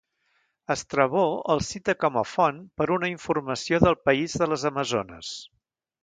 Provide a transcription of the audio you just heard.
Estrabó el cita com a font per una informació del país de les amazones.